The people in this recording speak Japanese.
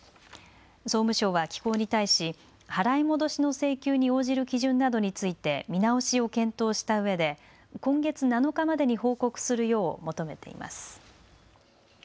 総務省は機構に対し払い戻しの請求に応じる基準などについて見直しを検討したうえで今月７日までに報告するよう求めています。